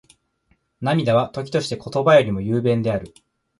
涙は、時として言葉よりも雄弁である。